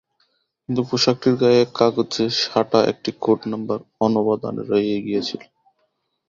কিন্তু পোশাকটির গায়ে কাগজে সাঁটা একটি কোড নম্বর অনবধানে রয়েই গিয়েছিল।